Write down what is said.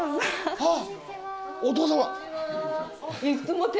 あっお父様！